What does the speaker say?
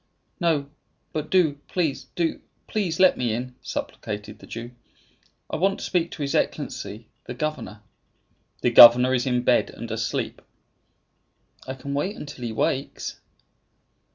"No; but do, please do, please, let me in," supplicated the Jew. "I want to speak to his Excellency, the governor." "The governor is in bed, and asleep." "I can wait until he awakes."